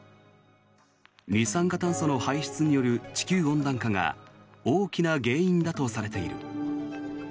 二酸化炭素の排出による地球温暖化が大きな原因だとされている。